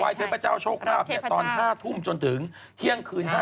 ว่ายเทพเจ้าโชคภาพเนี่ยตอน๕ทุ่มจนถึงเที่ยงคืน๕๙